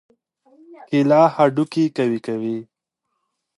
کېله هډوکي قوي کوي.